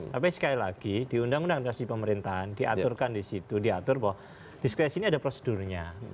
tapi sekali lagi di undang undang administrasi pemerintahan diaturkan di situ diatur bahwa diskresi ini ada prosedurnya